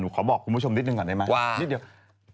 ขอบอกคุณผู้ชมนิดหนึ่งก่อนได้ไหมว่านิดเดียว